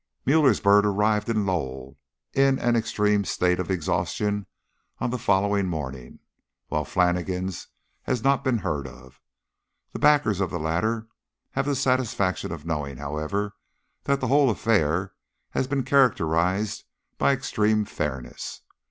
"Müller's bird arrived in Lowell in an extreme state of exhaustion on the following morning, while Flannigan's has not been heard of. The backers of the latter have the satisfaction of knowing, however, that the whole affair has been characterised by extreme fairness.